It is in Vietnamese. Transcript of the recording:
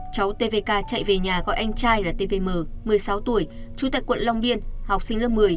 cháu t p k chạy về nhà gọi anh trai là t p m một mươi sáu tuổi chú tại quận long biên học sinh lớp một mươi